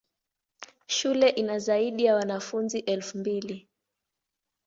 Shule ina zaidi ya wanafunzi elfu mbili.